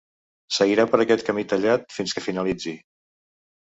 Seguirà per aquest camí tallat fins que finalitzi.